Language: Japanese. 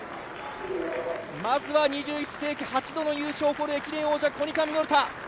まずは２１正解８度の優勝を誇るコニカミノルタ。